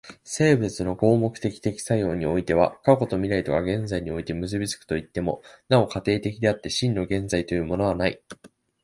生物の合目的的作用においては過去と未来とが現在において結び付くといっても、なお過程的であって、真の現在というものはない。